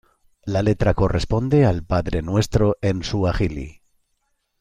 La letra corresponde al Padre Nuestro en suajili.